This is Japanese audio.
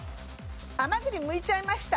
甘栗むいちゃいました。